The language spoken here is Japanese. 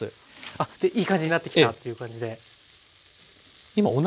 あっでいい感じになってきたっていう感じで。